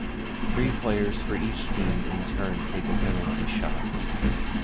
Three players for each team in turn take a penalty shot.